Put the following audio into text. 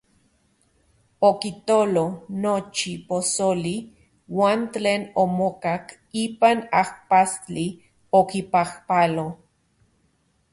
Okitolo nochi posoli uan tlen omokak ipan ajpastli, okipajpalo.